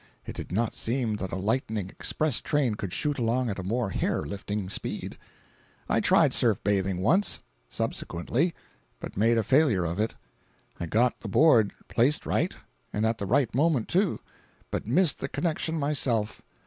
It did not seem that a lightning express train could shoot along at a more hair lifting speed. I tried surf bathing once, subsequently, but made a failure of it. I got the board placed right, and at the right moment, too; but missed the connection myself.